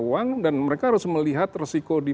uang dan mereka harus melihat resiko di